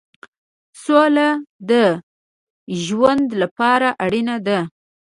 سوله د ژوند لپاره اړینه ده.